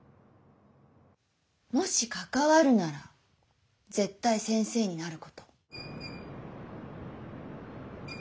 もし関わるなら絶対先生になること。